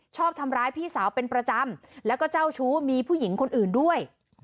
ชอบทำร้ายพี่สาวเป็นประจำแล้วก็เจ้าชู้มีผู้หญิงคนอื่นด้วย